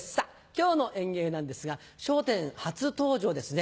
今日の演芸なんですが『笑点』初登場ですね。